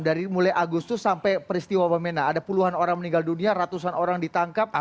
dari mulai agustus sampai peristiwa wamena ada puluhan orang meninggal dunia ratusan orang ditangkap